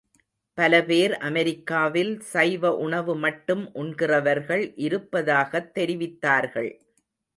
பல பேர் அமெரிக்காவில் சைவ உணவு மட்டும் உண்கிறவர்கள் இருப்பதாகத் தெரிவித்தார்கள்.